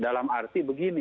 dalam arti begini